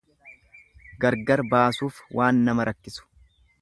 Gargar baasuuf waan nama rakkisu.